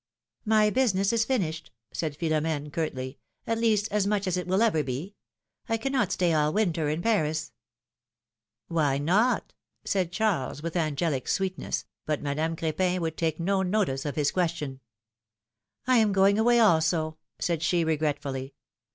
'^My business is finished," said Philom^ne, curtly, ^^at least as much as it will ever be. I cannot stay all winter in Paris —" ^AVhy not?" said Charles, with angelic sweetness, but Madame Cr^pin would take no notice of his question. 254 PHILOMiiNE's MARRIAGES. I am going away also/^ said she, regretfully.